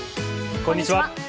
こんにちは。